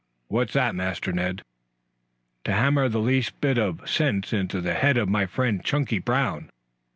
"What's that, Master Ned?" "To hammer the least little bit of sense into the head of my friend, Chunky Brown."